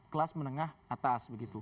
kelas menengah atas